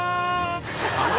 ああ！